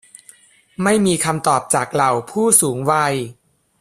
ไม่มีคำตอบจากเหล่าผู้สูงวัย